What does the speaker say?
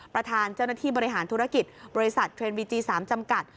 ประธานเจ้าหน้าที่บริหารธุรกิจบริษัทเทรนด์วีจี๓จำกัด